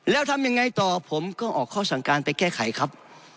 แล้วทำยังไงต่อผมก็ออกข้อสั่งการไปแก้ไขครับ